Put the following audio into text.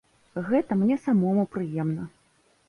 Гэта мне самому прыемна.